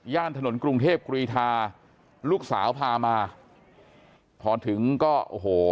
ถนนกรุงเทพกรีธาลูกสาวพามาพอถึงก็โอ้โห